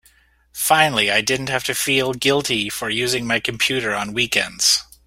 Finally I didn't have to feel guilty for using my computer on weekends.